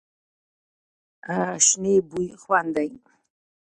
شنې بوی خوند دی.